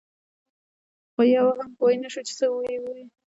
خو یو هم پوی نه شو چې څه یې ووې.